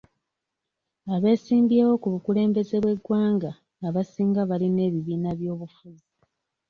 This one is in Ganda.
Abeesimbyewo ku bukulembeze bw'eggwanga abasinga balina ebibiina by'obufuzi.